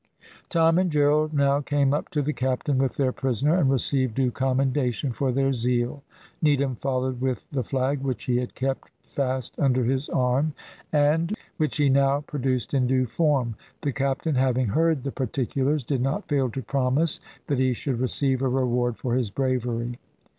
Tom and Gerald now came up to the captain with their prisoner, and received due commendation for their zeal. Needham followed with the flag, which he had kept fast under his arm, and which he now produced in due form; the captain having heard the particulars, did not fail to promise that he should receive a reward for his bravery.